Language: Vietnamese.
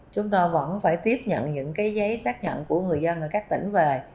chúng ta vẫn phải tiếp nhận những cái giấy xác nhận của người dân ở các tỉnh về